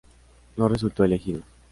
No resultó elegido.